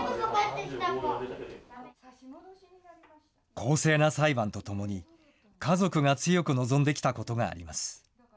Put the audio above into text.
公正な裁判とともに、家族が強く望んできたことがあります。